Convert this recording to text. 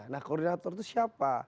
nah koordinator itu siapa